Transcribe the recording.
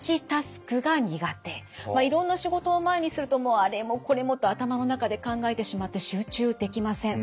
いろんな仕事を前にするとあれもこれもと頭の中で考えてしまって集中できません。